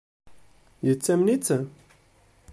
Yettamen-itt?